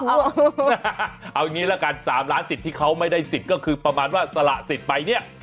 เอาอย่างนี้ละกัน๓ล้านสิทธิ์ที่เขาไม่ได้สิทธิ์ก็คือประมาณว่าสละสิทธิ์ไปเนี่ย